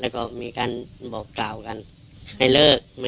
กินโทษส่องแล้วอย่างนี้ก็ได้